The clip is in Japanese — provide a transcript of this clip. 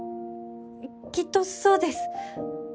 きっとそうです。